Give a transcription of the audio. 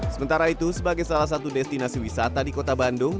sementara itu sebagai salah satu destinasi wisata di kota bandung